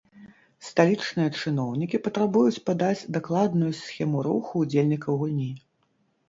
Сталічныя чыноўнікі патрабуюць падаць дакладную схему руху ўдзельнікаў гульні.